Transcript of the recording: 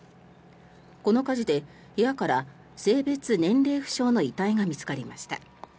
この火事で部屋から性別・年齢不詳の遺体が見つかりました。